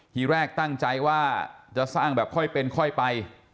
ทีแรกตั้งใจว่าจะสร้างแบบค่อยเป็นค่อยไป